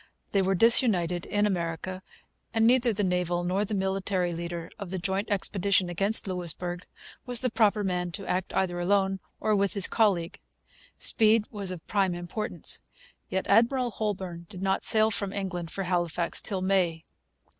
They were disunited in America. And neither the naval nor the military leader of the joint expedition against Louisbourg was the proper man to act either alone or with his colleague. Speed was of prime importance. Yet Admiral Holbourne did not sail from England for Halifax till May.